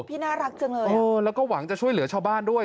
น่ารักจังเลยเออแล้วก็หวังจะช่วยเหลือชาวบ้านด้วย